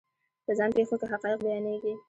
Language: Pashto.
په ځان پېښو کې حقایق بیانېږي.